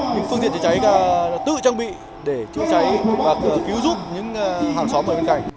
những phương tiện chữa cháy đã tự trang bị để chữa cháy và cứu giúp những hàng xóm ở bên cạnh